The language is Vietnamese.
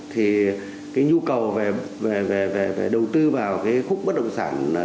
thì cái nhu cầu về đầu tư vào cái khúc bất động sản